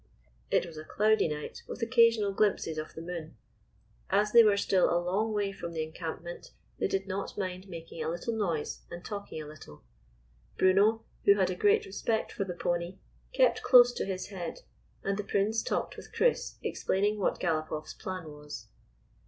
It was a cloudy night, with occasional glimpses of the moon. As they were still a long way from the encampment, they did not mind making a little noise and talking a little. Bruno, who had a great respect for the pony, kept close to his head, and the Prince talked with Chris, explaining what Galopoff's plan was.